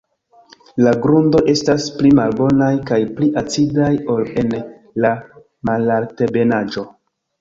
La grundoj estas pli malbonaj kaj pli acidaj ol en la malaltebenaĵo.